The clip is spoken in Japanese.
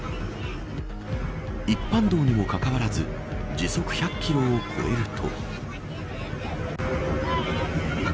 一般道にもかかわらず時速１００キロを超えると。